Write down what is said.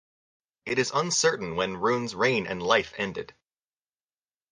It is uncertain when Rhun's reign and life ended.